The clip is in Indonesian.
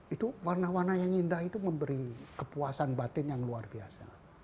itu warna warna yang indah itu memberi kepuasan batin yang luar biasa